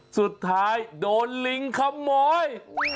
สุดท้ายโดนลิงขโมย